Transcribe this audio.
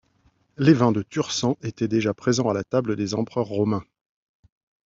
Les vins de Tursan étaient déjà présents à la table des empereurs romains.